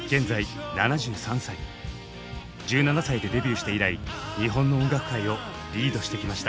１７歳でデビューして以来日本の音楽界をリードしてきました。